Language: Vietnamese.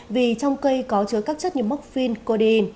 vì trong cây có chứa các chất như mốc phin coden